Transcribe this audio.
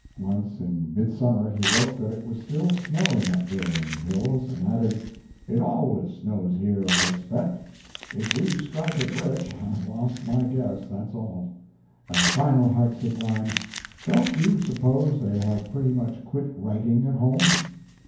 Once in midsummer he wrote that it was still snowing up there in the hills, and added, "It always snows here I expect. If we strike it rich, I've lost my guess, that's all." And the final heartsick line, "Don't you suppose they have pretty much quit writing at home?"